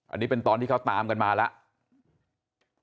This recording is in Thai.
อันนี้เป็นตอนที่เขาตามกันมาแล้ว